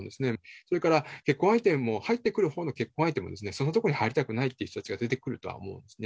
それから、結婚相手も、入ってくるほうの結婚相手もそんなところに入りたくないって人たちが出てくるとは思うんですね。